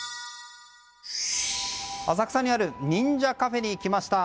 浅草にある忍者カフェに来ました。